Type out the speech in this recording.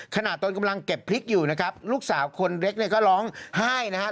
ตนกำลังเก็บพริกอยู่นะครับลูกสาวคนเล็กเนี่ยก็ร้องไห้นะครับ